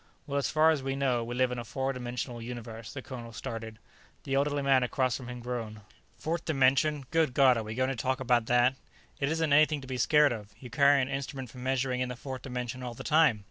"Well, as far as we know, we live in a four dimensional universe," the colonel started. The elderly man across from him groaned. "Fourth dimension! Good God, are we going to talk about that?" "It isn't anything to be scared of. You carry an instrument for measuring in the fourth dimension all the time.